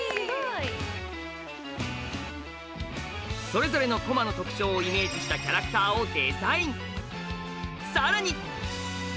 それぞれの駒の特徴をイメージしたキャラクターをデザイン！